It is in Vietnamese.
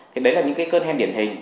thế đấy là những cân hen điển hình